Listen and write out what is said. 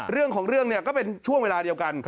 เรื่องของเรื่องเนี่ยก็เป็นช่วงเวลาเดียวกัน